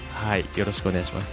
よろしくお願いします